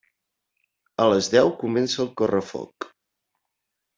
A les deu comença el correfoc.